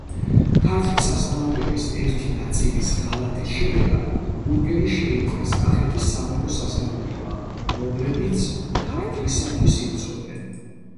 ქართლის აზნაურების ერთი ნაწილის ღალატის შედეგად გურგენი შეიპყრეს კახეთის სამეფოს აზნაურებმა, რომლებიც ქართლისათვის იბრძოდნენ.